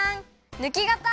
ぬきがた！